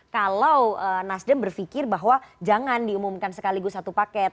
kalau nasdem berpikir bahwa jangan diumumkan sekaligus satu paket